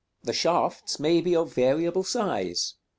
_The shafts may be of variable size.